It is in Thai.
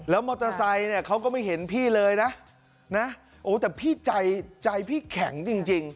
แล้วมอเตอร์ไซค์เขาก็ไม่เห็นพี่เลยนะแต่พี่ใจใจพี่แข็งจริง